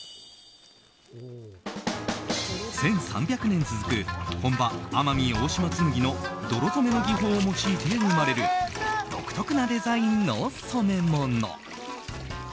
１３００年続く本場奄美大島紬の泥染めの技法を用いて生まれる独特なデザインの染め物。